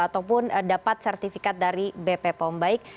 ataupun dapat sertifikat dari bp pembaik